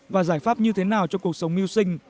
và giải pháp như thế nào cho cuộc sống mưu sinh